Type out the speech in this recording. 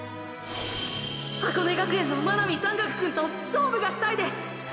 箱根学園の真波山岳くんと勝負がしたいです！